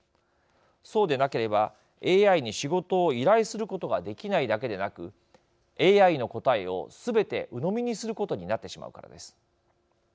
そうでなければＡＩに仕事を依頼することができないだけでなくＡＩの答えをすべてうのみにすることになってしまうからです。